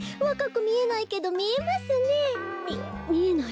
わかくみえないけどみえますねえ。